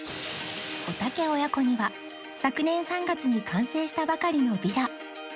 おたけ親子には昨年３月に完成したばかりのヴィラ